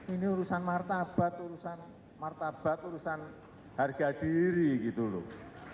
ini urusan martabat urusan martabat urusan harga diri gitu loh